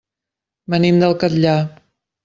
Venim del Catllar.